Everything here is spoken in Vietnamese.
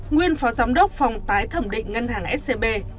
nguyên phó giám đốc phòng tái thẩm định ngân hàng scb